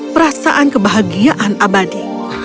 perasaan kebahagiaan abadi